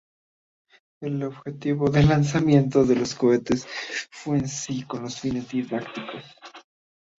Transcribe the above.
El objetivo del lanzamiento de los cohetes fue en sí con fines didácticos.